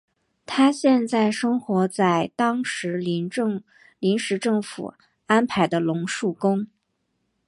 他现在生活在当时临时政府安排的龙树宫。